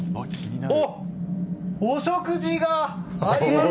お食事があります！